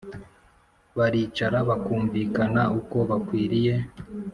baricara bakumvikana uko bikwiriye